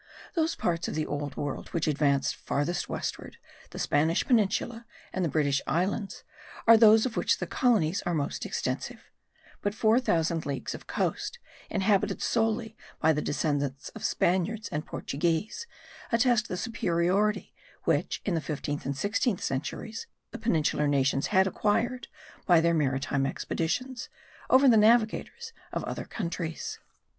Those parts of the old world which advance farthest westward, the Spanish Peninsula and the British Islands, are those of which the colonies are most extensive; but four thousand leagues of coast, inhabited solely by the descendants of Spaniards and Portuguese, attest the superiority which in the fifteenth and sixteenth centuries the peninsular nations had acquired, by their maritime expeditions, over the navigators of other countries.